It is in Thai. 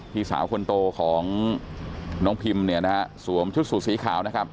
พี่สาวคนโตของน้องพิมเนี่ยนะฮะสวมชุดสูตรสีขาวนะครับ